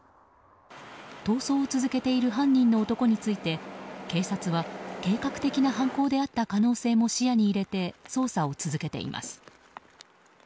逃走を続けている犯人の男について警察は計画的な犯行であった可能性も視野に入れて捜査を続けています。